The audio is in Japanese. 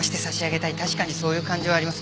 確かにそういう感情はあります。